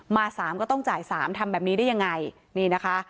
สามก็ต้องจ่ายสามทำแบบนี้ได้ยังไงนี่นะคะ